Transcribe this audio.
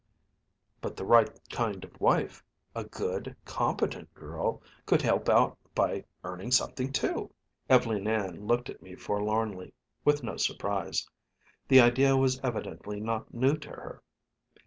"But the right kind of a wife a good, competent girl could help out by earning something, too." Ev'leen Ann looked at me forlornly, with no surprise. The idea was evidently not new to her.